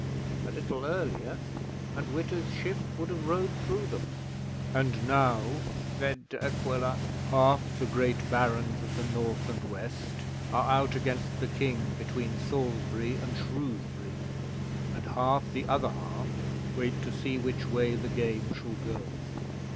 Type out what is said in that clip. A little earlier, and Witta's ship would have rowed through them. '"And now," said De Aquila, "half the great Barons of the North and West are out against the King between Salisbury and Shrewsbury, and half the other half wait to see which way the game shall go.